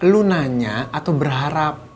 lu nanya atau berharap